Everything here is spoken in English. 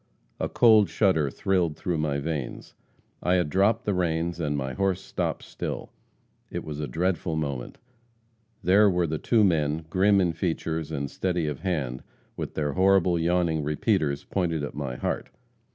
A cold shudder thrilled through my veins. I had dropped the reins, and my horse stopped still. It was a dreadful moment. There were the two men, grim in features and steady of hand, with their horrible, yawning repeaters pointed at my heart.